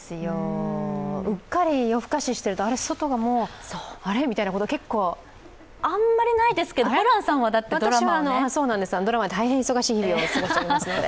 うっかり夜更かししてると、あれ、外がもうあれ？みたいなこと、結構あんまりないですけどホランさんはドラマで私はドラマで大変忙しい日々を過ごしてますので。